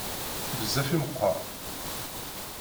Bezzaf i meqqer.